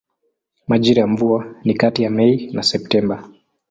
Majira ya mvua ni kati ya Mei na Septemba.